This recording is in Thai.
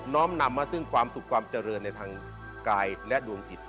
้อมนำมาซึ่งความสุขความเจริญในทางกายและดวงจิต